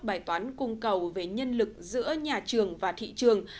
bài toán cung cầu về nhân lực giữa nhà trường và thị trường